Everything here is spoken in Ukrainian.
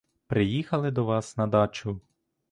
Приїхали до вас на дачу.